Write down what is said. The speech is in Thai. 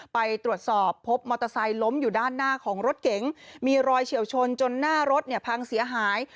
ไปตรวจสอบพบมอเตอร์ไซค์ล้มอยู่ด้านหน้าของรถเก๋งมีรอยเฉียวชนจนหน้ารถเนี่ยพังเสียหาย